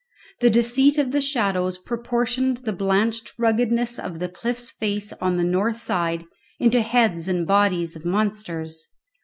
The deceit of the shadows proportioned the blanched ruggedness of the cliff's face on the north side into heads and bodies of monsters.